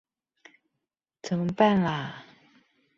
怎麼辦啦